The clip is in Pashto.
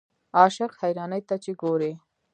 عاشق حیرانۍ ته چې ګورې.